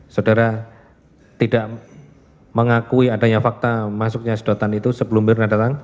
saudara tidak mengakui adanya fakta masuknya sedotan itu sebelum mirna datang